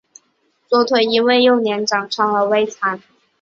左腿因为幼年长疮而微残。